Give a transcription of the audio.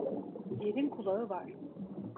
Yerin kulağı var.